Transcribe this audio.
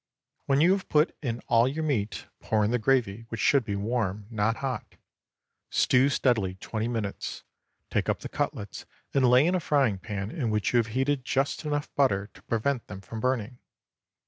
When you have put in all your meat, pour in the gravy, which should be warm—not hot. Stew steadily twenty minutes, take up the cutlets and lay in a frying pan in which you have heated just enough butter to prevent them from burning.